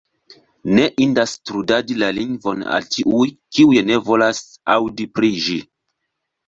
Ne indas trudadi la lingvon al tiuj, kiuj ne volas aŭdi pri ĝi.